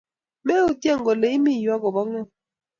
Meutye kole imi yu agoba ngo